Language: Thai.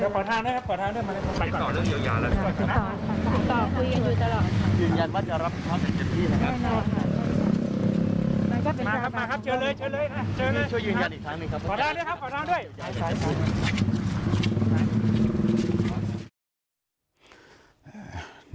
ขออนุญาตด้วยครับขออนุญาตด้วย